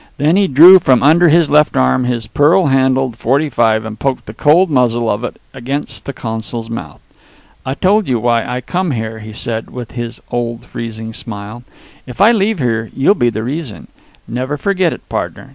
Then he drew from under his left arm his pearl handled .45 and poked the cold muzzle of it against the consul's mouth. "I told you why I come here," he said, with his old freezing smile. "If I leave here, you'll be the reason. Never forget it, pardner.